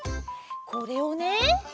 これをね